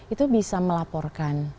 itu bisa melaporkan